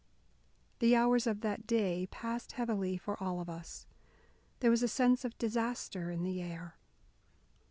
The hours of that day passed heavily for all of us. There was a sense of disaster in the air.